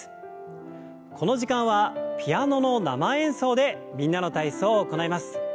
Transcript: この時間はピアノの生演奏で「みんなの体操」を行います。